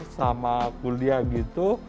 sama kuliah gitu